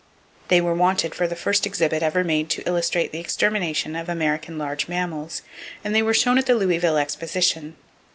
They were wanted for the first exhibit ever made to illustrate the extermination of American large mammals, and they were shown at the Louisville Exposition.